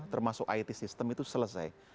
termasuk it system itu selesai